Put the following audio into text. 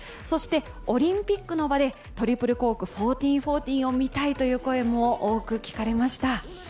そして、オリンピックの場でトリプルコーク１４４０を見たいという声も多く聞かれました。